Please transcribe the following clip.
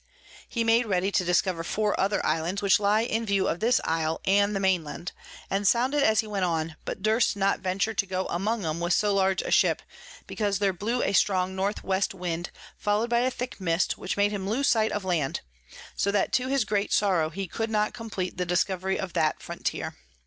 He made ready to discover four other Islands, which lie in view of this Isle and the Main Land, and sounded as he went on, but durst not venture to go among 'em with so large a Ship, because there blew a strong North West Wind, follow'd by a thick Mist, which made him lose sight of Land; so that to his great sorrow he could not compleat the Discovery of that Frontier.